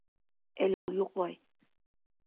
Әле ул йоҡлай.